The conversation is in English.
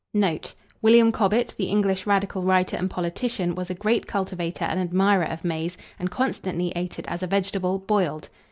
Note. William Cobbett, the English radical writer and politician, was a great cultivator and admirer of maize, and constantly ate it as a vegetable, boiled.